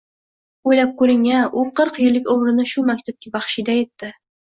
O`ylab ko`ring-a, u qirq yillik umrini shu maktabga baxshida etdi